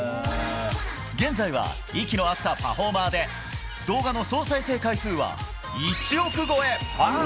現在は息の合ったパフォーマーで動画の総再生回数は１億超え。